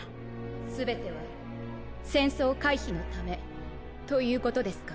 全ては戦争回避のためということですか？